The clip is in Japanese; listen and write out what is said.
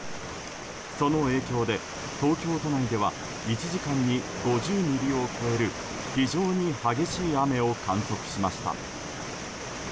その影響で、東京都内では１時間に５０ミリを超える非常に激しい雨を観測しました。